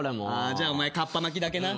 じゃあお前かっぱ巻きだけな。